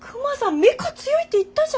メカ強いって言ったじゃん。